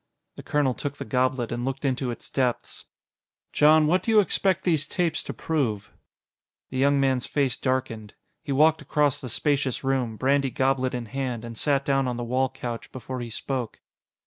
The colonel took the goblet and looked into its depths. "Jon, what do you expect these tapes to prove?" The young man's face darkened. He walked across the spacious room, brandy goblet in hand, and sat down on the wall couch before he spoke.